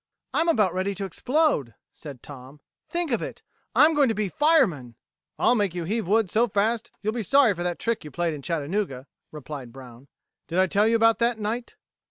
"I'm about ready to explode," said Tom. "Think of it! I'm going to be fireman!" "I'll make you heave wood so fast that you'll be sorry for that trick you played in Chattanooga," replied Brown. "Did I tell you about that, Knight?"